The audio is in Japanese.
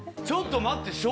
ちょっと待って。